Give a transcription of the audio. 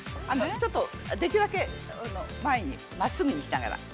ちょっとできるだけ前に、真っすぐにしながら。